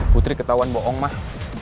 putri ketahuan bohong mah